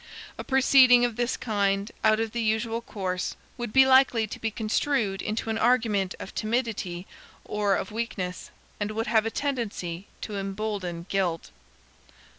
A proceeding of this kind, out of the usual course, would be likely to be construed into an argument of timidity or of weakness, and would have a tendency to embolden guilt.